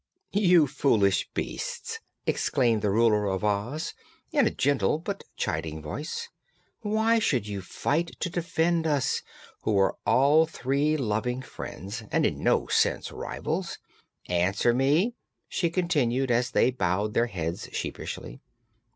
"You foolish beasts!" exclaimed the Ruler of Oz, in a gentle but chiding tone of voice. "Why should you fight to defend us, who are all three loving friends and in no sense rivals? Answer me!" she continued, as they bowed their heads sheepishly.